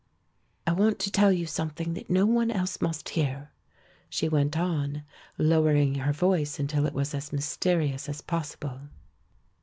"I want to tell you something that no one else must hear," she went on, lowering her voice until it was as mysterious as possible.